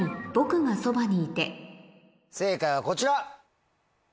正解はこちら！